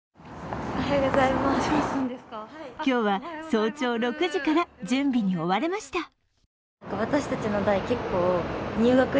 今日は早朝６時から準備に追われました。